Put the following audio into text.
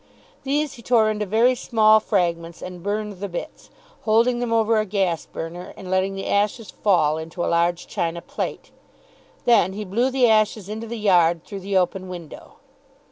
These he tore into very small fragments and burned the bits, holding them over a gas burner and letting the ashes fall into a large china plate. Then he blew the ashes into the yard through the open window.